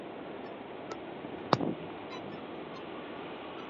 serikali yangu utanda mikakati kuimarisha serikali yetu